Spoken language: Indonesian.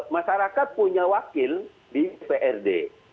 masyarakat punya wakil di prd